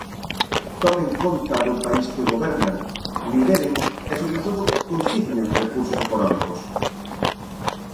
Tomen conta do país que gobernan, lideren e sobre todo consignen recursos económicos.